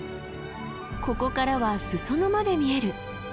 ここからは裾野まで見える！